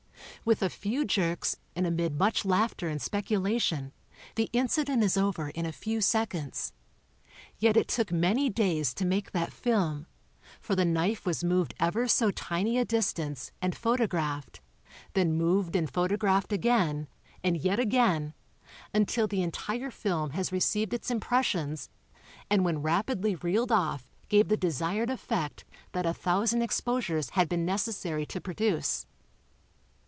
With a few jerks and amid much laughter and speculation, the inci dent is over in a few seconds. Yet it took many days to make that film, for the knife was moved ever so tiny a distance, and photographed, then moved and photographed again, and yet again, until the entire film has received its impressions and when rapidly reeled off gave the desired effect that a thousand ex posures had been necessary to produce.